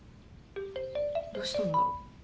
どうしたんだろう。